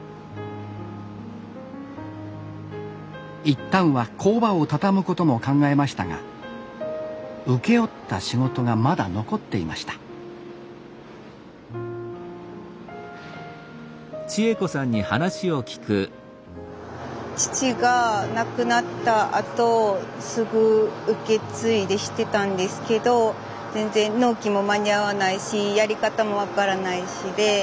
一旦は工場を畳むことも考えましたが請け負った仕事がまだ残っていました父が亡くなったあとすぐ受け継いでしてたんですけど全然納期も間に合わないしやり方も分からないしで